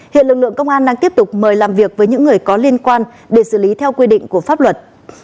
hiện lực lượng công an đang tiếp tục mời làm việc với những người có liên quan để xử lý theo quy định của pháp luật